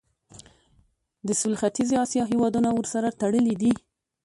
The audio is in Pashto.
د سویل ختیځې اسیا هیوادونه ورسره تړلي دي.